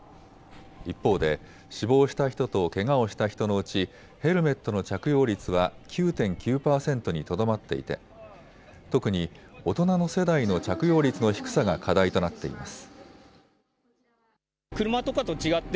一方で死亡した人とけがをした人のうちヘルメットの着用率は９．９％にとどまっていて特に大人の世代の着用率の低さが課題となっています。